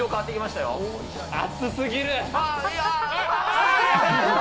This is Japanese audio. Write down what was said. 熱すぎる。